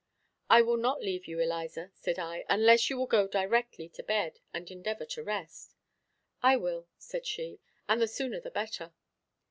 "I will not leave you, Eliza," said I, "unless you will go directly to bed, and endeavor to rest." "I will," said she, "and the sooner the better."